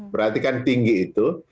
berarti kan tinggi itu